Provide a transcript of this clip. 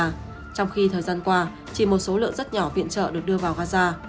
trong khi thời gian qua chỉ một số lượng rất nhỏ viện trợ được đưa vào gaza